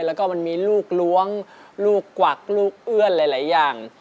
แล้วก็มันมีลูกล้วงลูกกวักลูกเอื้อนหลายอย่าง